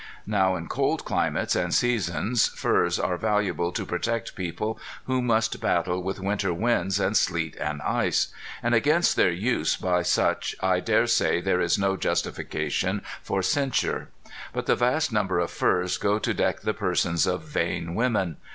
Now in cold climates and seasons furs are valuable to protect people who must battle with winter winds and sleet and ice; and against their use by such I daresay there is no justification for censure. But the vast number of furs go to deck the persons of vain women.